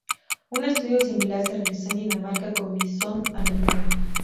Un estudio similar se realizó en Dinamarca con visón americano.